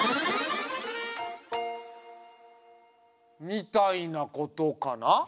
みたいなことかな？